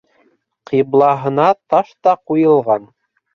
Ҡиблаһына таш та ҡуйылған...